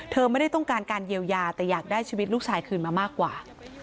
ไม่ได้ต้องการการเยียวยาแต่อยากได้ชีวิตลูกชายคืนมามากกว่า